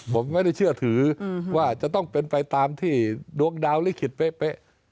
ผมไม่ได้เชื่อถือว่าจะต้องเป็นไปตามที่ดวงดาวลิขิตเป๊ะ